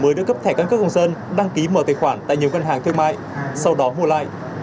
mới được cấp thẻ căn cước công dân đăng ký mở tài khoản tại nhiều ngân hàng thương mại sau đó mua lại